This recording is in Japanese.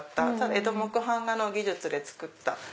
江戸木版画の技術で作った。